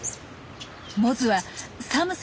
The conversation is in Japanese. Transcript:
モズは寒さ